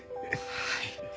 はい。